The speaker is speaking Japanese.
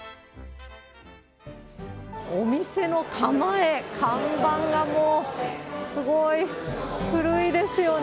お店の構え、看板がもうすごい、古いですよね。